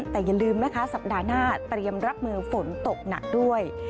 แต่อย่าลืมนะคะสัปดาห์หน้าเตรียมรับมือฝนตกหนักด้วย